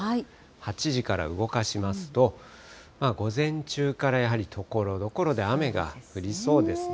８時から動かしますと、午前中からやはりところどころで雨が降りそうですね。